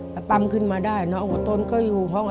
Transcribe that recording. แล้วปั๊มขึ้นมาได้น้องอดทนก็อยู่ที่นี่